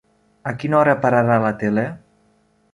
A quina hora pararà la tele?